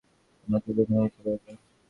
আমাকে সেখানে নিতে পারবে?